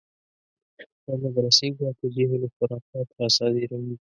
دا مدرسې ګواکې جهل و خرافات راصادروي.